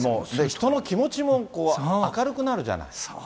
人の気持ちも明るくなるじゃない。